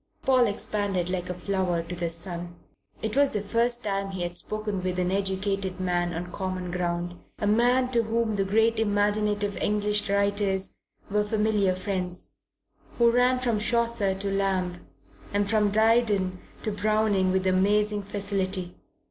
Paul expanded like a flower to the sun. It was the first time he had spoken with an educated man on common ground a man to whom the great imaginative English writers were familiar friends, who ran from Chaucer to Lamb and from Dryden to Browning with amazing facility.